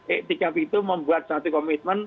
etikaf itu membuat satu komitmen